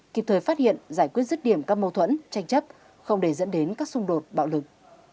kịp thời phát hiện giải quyết rứt điểm các mâu thuẫn tranh chấp không để dẫn đến các xung đột bạo lực